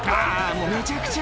もうめちゃくちゃ！